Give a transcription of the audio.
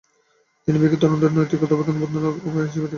তিনি বিয়েকে তরুণদের নৈতিক অধঃপতন বন্ধের উপায় হিসেবে দেখতেন।